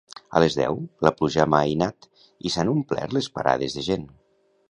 A les deu, la pluja ha amainat i s'han omplert les parades de gent.